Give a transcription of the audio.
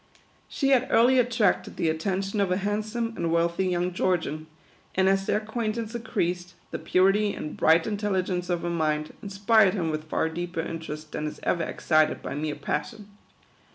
She had early attracted the attention of a handsome and wealthy young Georgian ; and as their acquaintance increased, the purity and bright intelli gence of her mind, inspired him with far deeper in terest than is ever excited by mere passion.